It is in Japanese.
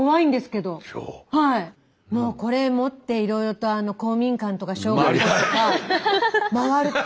もうこれ持っていろいろと公民館とか小学校とか回ると。